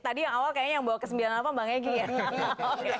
tadi yang awal yang bawah ke sembilan puluh delapan emangnya gini ya